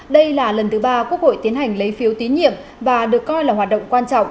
đây là lần thứ ba quốc hội tiến hành lấy phiếu tín nhiệm và được coi là hoạt động quan trọng